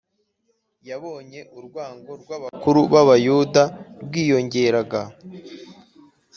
yabonye urwango rw’abakuru b’abayuda rwiyongeraga,